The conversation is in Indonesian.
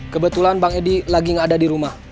kebetulan bang edi lagi nggak ada di rumah